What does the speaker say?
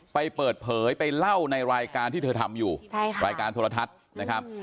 ไปเปิดเผยไปเล่าในรายการที่เธอทำอยู่ใช่ค่ะรายการโทรทัศน์นะครับ